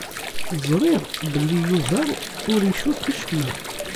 Ẓriɣ belli Yuba ur icukk acemma.